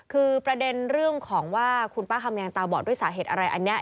คือประเด็นเรื่องของว่าคุณป้าคำแยงตาบอดด้วยสาเหตุอะไรอันนี้